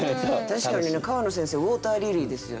確かにね川野先生「ウォーターリリー」ですよね？